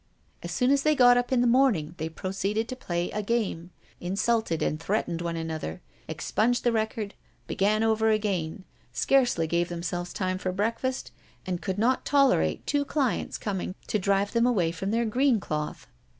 As soon as they got up in the morning, they proceeded to play a game, insulted and threatened one another, expunged the record, began over again, scarcely gave themselves time for breakfast, and could not tolerate two clients coming to drive them away from their green cloth.